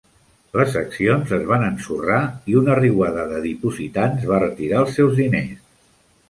Les accions es van ensorrar i una riuada de dipositants va retirar els seus diners.